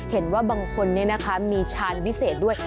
เห็นว่าบางคนเนี่ยนะคะมีชาญวิเศษด้วย